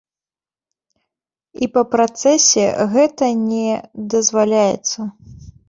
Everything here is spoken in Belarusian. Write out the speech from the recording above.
І па працэсе гэта не дазваляецца.